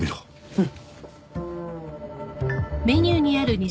うん。